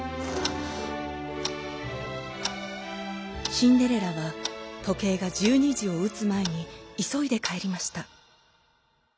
シンデレラはとけいが１２じをうつまえにいそいでかえりました。